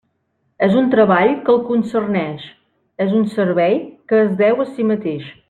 És un treball que el concerneix, és un servei que es deu a si mateix.